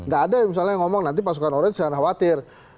gak ada misalnya yang ngomong nanti pasukan orange jangan khawatir